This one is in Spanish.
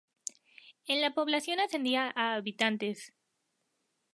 En la población ascendía a habitantes.